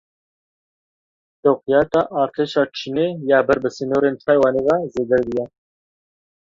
Sewqiyata Artêşa Çînê ya ber bi sînorên Taywanê ve zêde bûye.